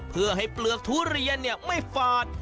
เพื่อให้เปลือกทุเรียนไม่ฝาด